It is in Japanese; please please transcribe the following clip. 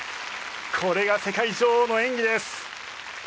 これが世界女王の演技です。